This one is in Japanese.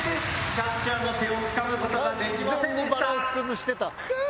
「キャッチャーの手をつかむ事ができませんでした」